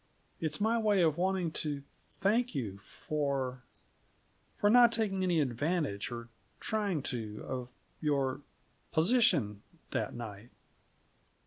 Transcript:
"It's my way of wanting to thank you for for not taking any advantage, or trying to, of your position that night."